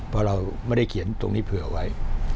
เพราะเราไม่ได้เขียนตรงนี้เผื่อไว้